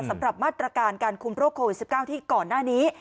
สำหรับมาตรการการคุมโรคโควิด๑๙ที่ก่อนหน้านี้